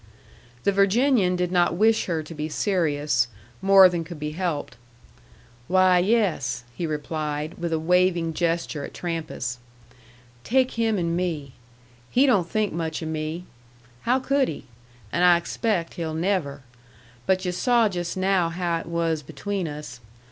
The Virginian did not wish her to be serious more than could be helped. "Why, yes," he replied, with a waving gesture at Trampas. "Take him and me. He don't think much o' me! How could he? And I expect he'll never. But yu' saw just now how it was between us.